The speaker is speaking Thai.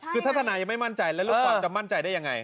คือถ้าธนายยังไม่มั่นใจแล้วลูกความจะมั่นใจได้อย่างไร